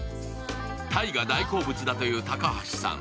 たいが大好物だという高橋さん